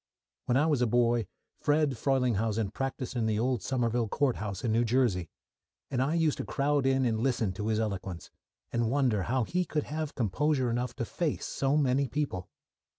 When I was a boy, "Fred" Frelinghuysen practised in the old Somerville Courthouse in New Jersey, and I used to crowd in and listen to his eloquence, and wonder how he could have composure enough to face so many people.